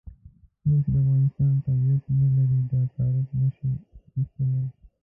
څوک چې د افغانستان تابعیت نه لري دا کارت نه شي اخستلای.